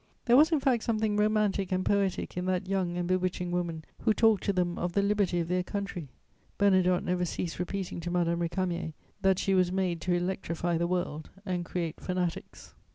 There was, in fact, something romantic and poetic in that young and bewitching woman who talked to them of the liberty of their country. Bernadotte never ceased repeating to Madame Récamier that she was made to electrify the world and create fanatics."